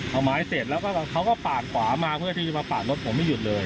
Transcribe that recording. เอาไม้เสร็จแล้วก็เขาก็ปาดขวามาเพื่อที่จะมาปาดรถผมไม่หยุดเลย